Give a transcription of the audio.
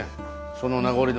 その名残の。